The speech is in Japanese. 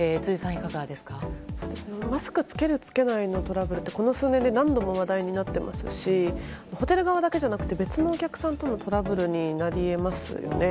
マスク着ける着けないのトラブルって、この数年で何度も話題になっていますしホテル側だけじゃなくて別のお客さんとのトラブルになり得ますよね。